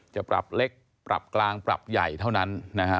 จะปรับเล็กปรับกลางปรับใหญ่เท่านั้นนะฮะ